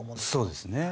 そうですね。